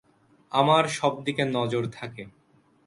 আমার সবদিকে নজর থাকে।